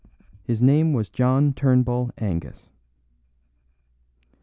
His name was John Turnbull Angus.